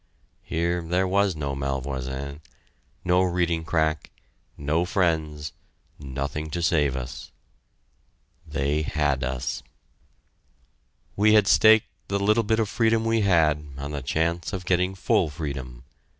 Here there was no Malvoisin, no reading crack, no friends, nothing to save us. They had us! We had staked the little bit of freedom we had on the chance of getting full freedom.